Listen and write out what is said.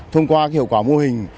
thông qua hiệu quả mô hình